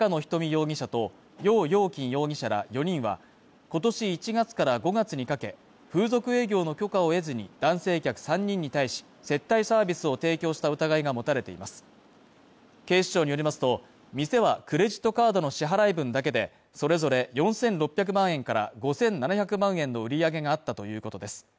容疑者と揚瑤琴容疑者ら４人は、今年１月から５月にかけ風俗営業の許可を得ずに、男性客３人に対し、接待サービスを提供した疑いが持たれています警視庁によりますと、店はクレジットカードの支払分だけで、それぞれ４６００万円から５７００万円の売り上げがあったということです。